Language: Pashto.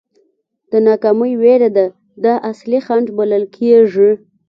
د ناکامۍ وېره ده دا اصلي خنډ بلل کېږي.